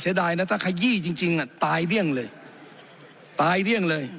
เสียดายนะถ้าขยี้จริงจริงอ่ะตายเลี่ยงเลยตายเลี่ยงเลย